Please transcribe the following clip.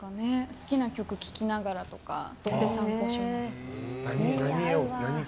好きな曲聴きながらとか土手散歩します。